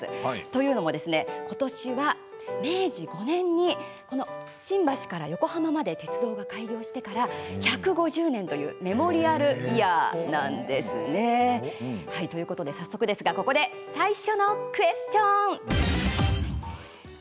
というのも今年は明治５年に新橋から横浜まで鉄道が開業してから１５０年というメモリアルイヤーなんです。ということで早速ですがここで最初のクエスチョンじゃじゃーん！